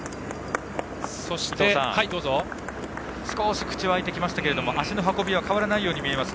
伊藤さん、少し口は開いてきましたけれども足の運びは変わらないように見えます。